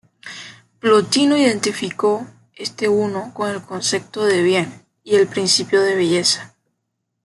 Plotino identificó este "Uno" con el concepto de "Bien" y el principio de "Belleza".